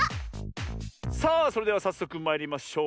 さあそれではさっそくまいりましょう。